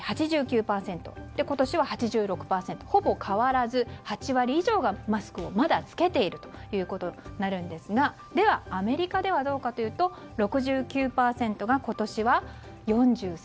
今年は８６％でほぼ変わらず８割以上がマスクをまだ着けているということになるんですがではアメリカではどうかというと６９％が今年は、４３％に。